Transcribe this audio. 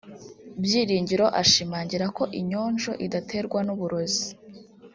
Byiringiro ashimangira ko inyonjo idaterwa n’uburozi